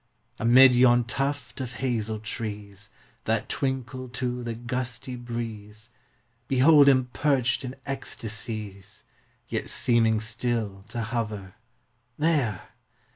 Upon yon tuft of hazel trees, That twinkle to the gusty breeze, Behold him perched in ecstasies, Yet seeming still to hover; There